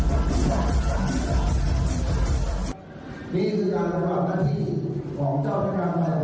ขอให้มนุษย์ทุกทิพยานให้มณะเชียวทางนี้ข้อบเชิญ